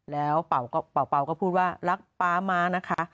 แล้วเป่าก็พูดว่ารักป๊าม้านะคะ